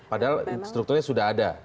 padahal strukturnya sudah ada